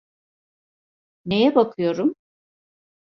Neye bakıyorum?